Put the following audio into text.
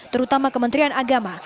terutama kementerian agama